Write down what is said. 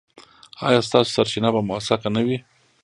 ایا ستاسو سرچینه به موثقه نه وي؟